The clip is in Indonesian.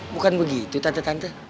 bukan begitu tante tante